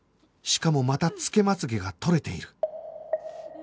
しかもまたつけまつげが取れている